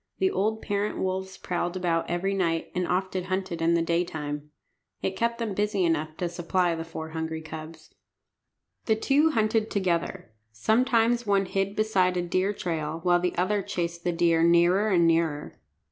The old parent wolves prowled about every night, and often hunted in the daytime. It kept them busy enough to supply the four hungry cubs. The two hunted together. Sometimes one hid beside a deer trail, while the other chased the deer nearer and nearer.